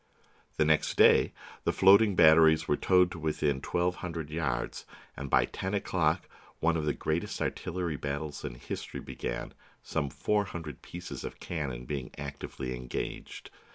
The next day the floating batteries were towed to within twelve hundred yards, and by ten o'clock one of the greatest artillery battles in history be gan, some four hundred pieces of cannon being THE SIEGE OF GIBRALTAR actively engaged.